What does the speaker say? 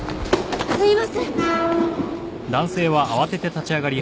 すいません！